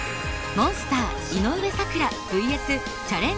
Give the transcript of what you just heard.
モンスター井上咲楽ＶＳチャレンジャーＴＹＲＡ。